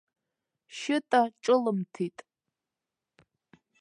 Шьыта ҿылымҭит.